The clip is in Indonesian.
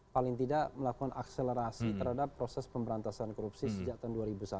paling tidak melakukan akselerasi terhadap proses pemberantasan korupsi sejak tahun dua ribu satu